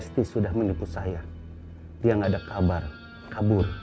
dia nggak ada kabar kabur